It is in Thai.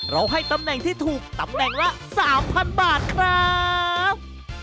ให้ตำแหน่งที่ถูกตำแหน่งละ๓๐๐บาทครับ